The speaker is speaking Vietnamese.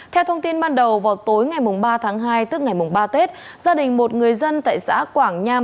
theo thông tin ban đầu vào tối ngày ba tháng hai tức ngày ba tết gia đình một người dân tại xã quảng nham